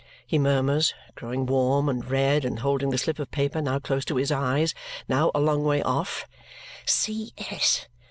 He murmurs, growing warm and red and holding the slip of paper now close to his eyes, now a long way off, "C.S.